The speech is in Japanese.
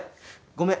ごめん。